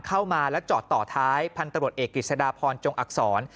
เข้ามาแล้วจอดต่อท้ายพันตรวจเอกกฤษฎาพรจงอักษร